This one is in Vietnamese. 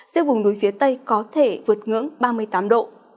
giữa vùng núi phía tây có thể vượt ngưỡng ba mươi tám độ